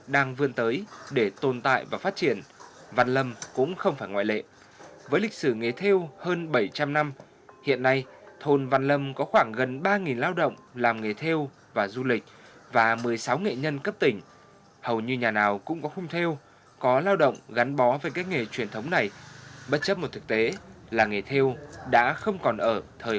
đang vươn tới bắt kịp xu thế thị trường cũng là cách mà nhiều làng nghề đang vươn tới bắt kịp xu thế thị trường cũng là cách mà nhiều làng nghề đang vươn tới